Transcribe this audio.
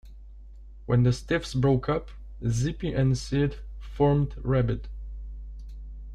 When the Stiffs broke up Zippy & Sid formed Rabid.